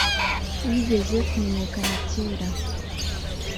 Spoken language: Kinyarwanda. yigeze kumenyekana cyera